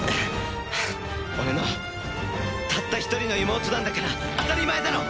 俺のたった一人の妹なんだから当たり前だろ！